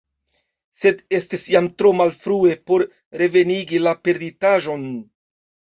Sed estis jam tro malfrue por revenigi la perditaĵon.